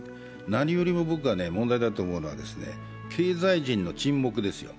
何よりも問題だと思うのは経済人の沈黙ですよ。